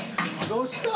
どうした？